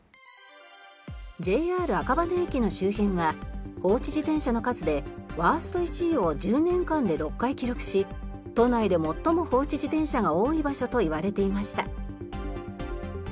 ＪＲ赤羽駅の周辺は放置自転車の数でワースト１位を１０年間で６回記録し都内で最も放置自転車が多い場所といわれていました。